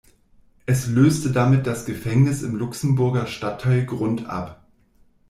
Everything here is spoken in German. Es löste damit das Gefängnis im Luxemburger Stadtteil Grund ab.